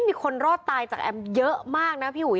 มีคนรอดตายจากแอมเยอะมากนะพี่อุ๋